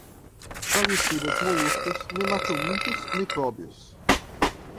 praguicidas, moluscos, nematelmintos, micróbios